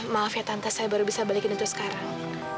maaf ya tante saya baru bisa balikin untuk sekarang